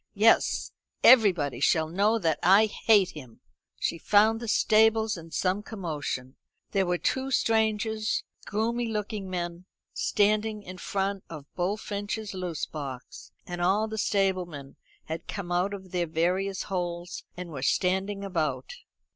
Yes, everybody shall know that I hate him." She found the stables in some commotion. There were two strangers, groomy looking men, standing in front of Bullfinch's loose box, and all the stablemen had come out of their various holes, and were standing about.